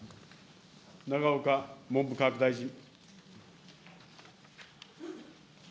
永岡文部科学大臣。